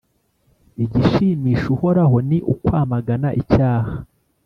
Igishimisha Uhoraho ni ukwamagana icyaha,